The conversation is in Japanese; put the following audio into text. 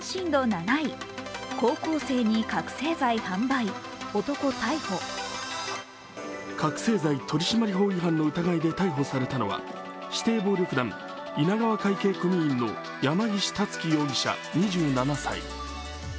覚醒剤取締法違反の疑いで逮捕されたのは、指定暴力団・稲川会系組員の山岸竜貴容疑者、２７歳。